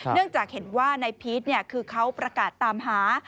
เนื่องจากเห็นว่านายพีชคือเขาประกาศตามหา